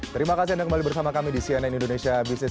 terima kasih anda kembali bersama kami di cnn indonesia business